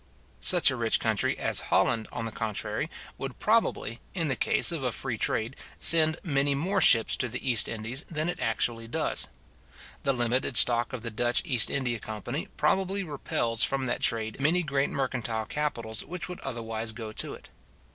Such a rich country as Holland, on the contrary, would probably, in the case of a free trade, send many more ships to the East Indies than it actually does. The limited stock of the Dutch East India company probably repels from that trade many great mercantile capitals which would otherwise go to it.